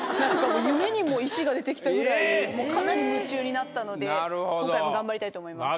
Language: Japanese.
夢にも石が出てきたぐらいかなり夢中になったので今回も頑張りたいと思います。